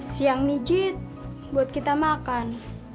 siang nijit buat kita makan